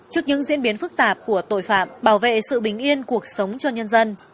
trước những diễn biến phức tạp của tội phạm bảo vệ sự bình yên cuộc sống cho nhân dân